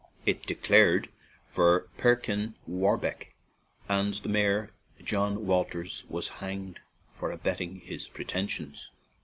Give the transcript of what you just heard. It declared for Perkin Warbeck, and the mayor, John Walters, was hanged for abetting his pre tensions.